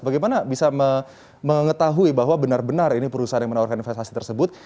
bagaimana bisa mengetahui bahwa benar benar ini perusahaan yang menawarkan investasi tersebut